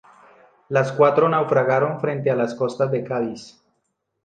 Las cuatro naufragaron frente a las costas de Cádiz.